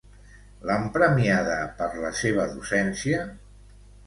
L'han premiada per la seva docència?